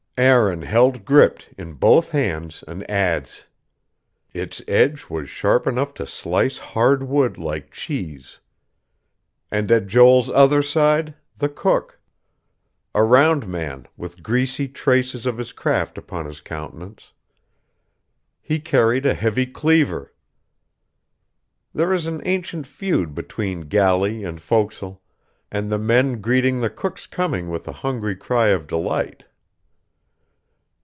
Aaron held gripped in both hands an adze. Its edge was sharp enough to slice hard wood like cheese.... And at Joel's other side, the cook. A round man, with greasy traces of his craft upon his countenance. He carried a heavy cleaver. There is an ancient feud between galley and fo'c's'le; and the men greeting the cook's coming with a hungry cry of delight....